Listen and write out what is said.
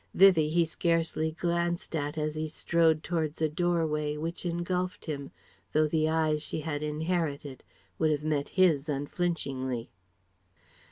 Vivie, he scarcely glanced at as he strode towards a doorway which engulfed him, though the eyes she had inherited would have met his unflinchingly.